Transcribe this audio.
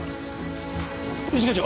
一課長！